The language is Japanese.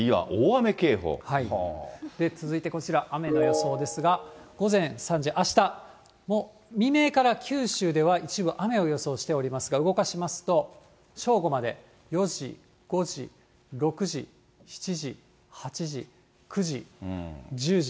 続いてこちら、雨の予想ですが、午前３時、あしたも未明から九州では一部雨を予想しておりますが、動かしますと、正午まで、４時、５時、６時、７時、８時、９時、１０時。